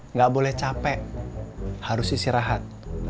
nggak boleh capek harus istirahat